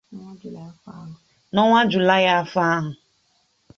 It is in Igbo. N’ọnwa Julaị afọ a